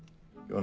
あ。